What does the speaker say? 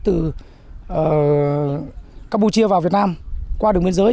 từ campuchia vào việt nam qua đường biên giới